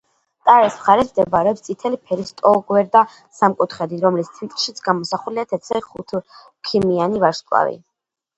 ტარის მხარეს მდებარეობს წითელი ფერის ტოლგვერდა სამკუთხედი, რომლის ცენტრშიც გამოსახულია თეთრი ხუთქიმიანი ვარსკვლავი.